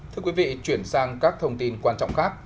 thưa quý vị chuyển sang các thông tin quan trọng khác